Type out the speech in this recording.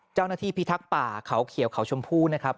เจ้าหน้าที่พิทักษ์ป่าเขาเขียวเขาชมพูนะครับ